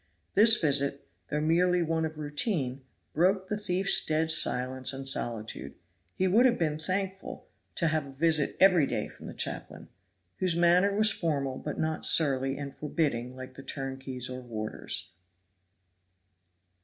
This visit, though merely one of routine, broke the thief's dead silence and solitude, and he would have been thankful to have a visit every day from the chaplain, whose manner was formal, but not surly and forbidding like the turnkeys or warders.